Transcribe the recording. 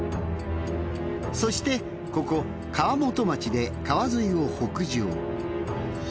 そしてここ川本町で川沿いを北上。